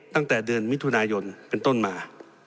ตั้งแต่เดือนมิถุนายนเป็นต้นมา